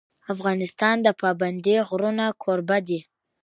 افغانستان د پابندی غرونه کوربه دی.